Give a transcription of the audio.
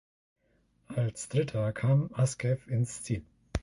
Als Dritter kam Askew ins Ziel.